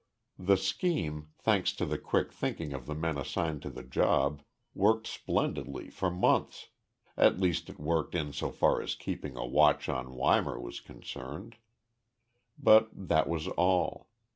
The scheme, thanks to the quick thinking of the men assigned to the job, worked splendidly for months at least it worked in so far as keeping a watch on Weimar was concerned. But that was all.